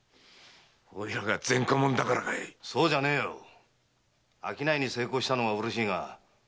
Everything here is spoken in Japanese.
おいらが前科者だからかい⁉そうじゃねえ商いに成功したのは嬉しいが大丈夫なんだろうな。